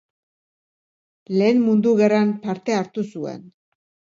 Lehen Mundu Gerran parte hartu zuen.